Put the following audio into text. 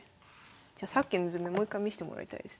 じゃあさっきの図面もう一回見してもらいたいです。